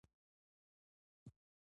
خلک اوس د هاضمې په اړه زیات معلومات لولي.